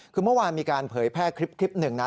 คือเมื่อวานมีการเผยแพร่คลิปหนึ่งนะ